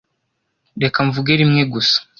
Reka mvuge rimwe gusa.